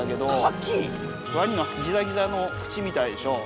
ワニのギザギザの口みたいでしょ。